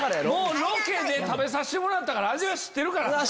ロケで食べさせてもらったから味は知ってるから。